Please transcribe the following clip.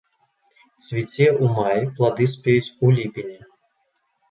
Цвіце ў маі, плады спеюць у ліпені.